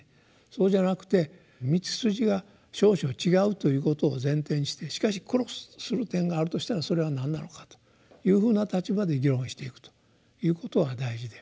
そうじゃなくて道筋が少々違うということを前提にしてしかしクロスする点があるとしたらそれは何なのかというふうな立場で議論をしていくということが大事で。